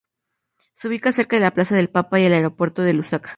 Se ubica cerca de la Plaza del Papa y el Aeropuerto de Lusaka.